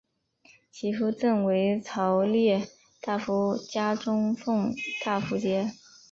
其父赠为朝列大夫加中奉大夫衔。